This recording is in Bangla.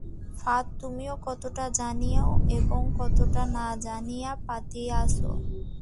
ফাঁদ তুমিও কতকটা জানিয়া এবং কতকটা না জানিয়া পাতিয়াছ।